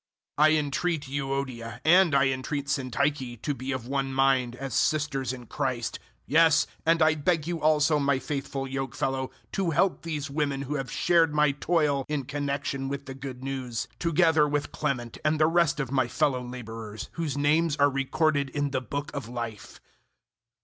004:002 I entreat Euodia, and I entreat Syntyche, to be of one mind, as sisters in Christ. 004:003 Yes, and I beg you also, my faithful yoke fellow, to help these women who have shared my toil in connection with the Good News, together with Clement and the rest of my fellow labourers, whose names are recorded in the Book of Life.